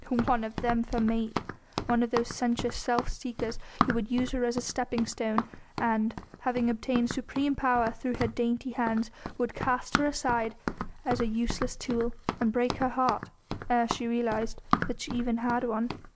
One of them for mate! One of those sensuous self seekers who would use her as a stepping stone, and, having obtained supreme power through her dainty hands, would cast her aside as a useless tool and break her heart ere she realised even that she had one.